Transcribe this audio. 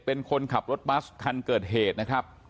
เป็นคนขับรถบัสคันเกิดเหตุนะครับ